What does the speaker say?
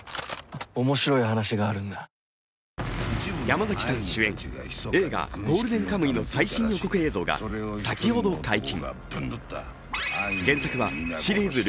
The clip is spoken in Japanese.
山崎さん主演、映画「ゴールデンカムイ」の最新予告映像が先ほど解禁。